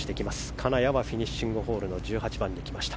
金谷はフィニッシングホールに来ました。